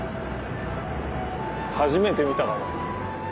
初めて見たかも。